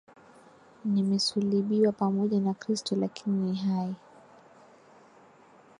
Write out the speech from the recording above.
Nimesulibiwa pamoja na Kristo lakini ni hai